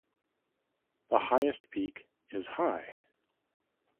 The highest peak is high.